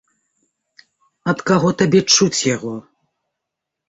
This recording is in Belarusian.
Ад каго табе чуць яго?